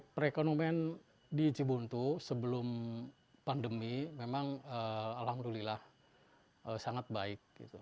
perekonomian di cibuntu sebelum pandemi memang alhamdulillah sangat baik